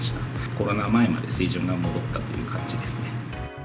コロナ前まで水準が戻ったという感じですね。